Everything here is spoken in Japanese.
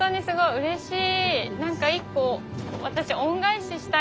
うれしい。